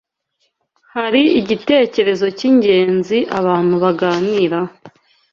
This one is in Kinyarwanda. Hari igitekerezo k’ingenzi abantu baganiraho